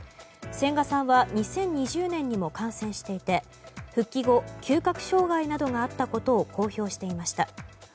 千賀さんは２０２０年にも感染していて復帰後嗅覚障害などがあったことを公表していました。